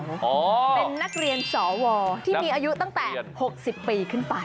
เป็นนักเรียนสวที่มีอายุตั้งแต่๖๐ปีขึ้นไป